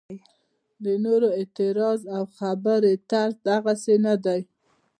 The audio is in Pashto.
د نورو اعتراض او خبرې طرز دغسې نه دی.